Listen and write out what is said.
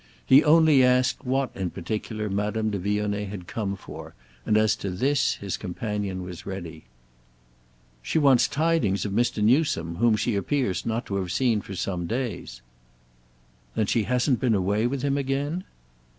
He only asked what in particular Madame de Vionnet had come for, and as to this his companion was ready. "She wants tidings of Mr. Newsome, whom she appears not to have seen for some days." "Then she hasn't been away with him again?"